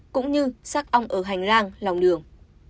cũng như sác ong ở hành lang lòng đường